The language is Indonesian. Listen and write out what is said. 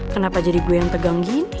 kenapa jadi gue yang pegang gini